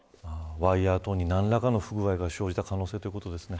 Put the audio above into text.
ワイヤー等に何らかの不具合が生じた可能性ということですね。